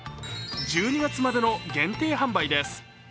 １２月までの限定販売です。